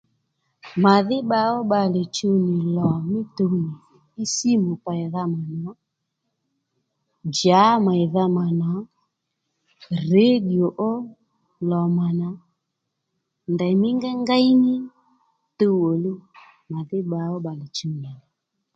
Màdhí bba ó bbalè chuw nì lò mí tuw nì simu peydha mànǎ djǎ mèydha mànǎ rediyo ó lò mànǎ ndèymí ngeyngéy ní tuw ò luw màdhí bba ó bbalè chuw nì lò